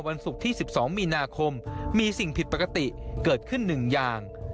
ศุกร์ที่๑๒มีนาคมมีสิ่งผิดปกติเกิดขึ้น๑อย่าง